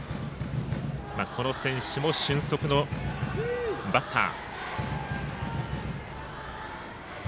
この選手も俊足のバッター。